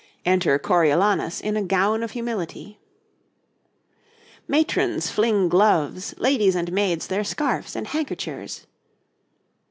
'Enter Coriolanus in a gown of humility.' 'Matrons fling gloves, ladies and maids their scarfs and handkerchers.'